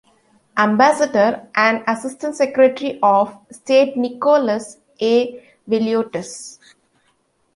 Ambassador and Assistant Secretary of State Nicholas A. Veliotes.